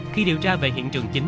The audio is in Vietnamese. khi điều tra về hiện trường chính